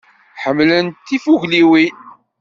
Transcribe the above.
Ḥemmlent tifugliwin.